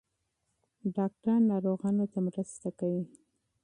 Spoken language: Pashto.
ډاکټران ناروغانو ته مرسته کوي.